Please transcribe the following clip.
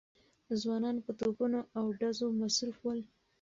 ځوانان په توپونو او ډزو مصروف ول.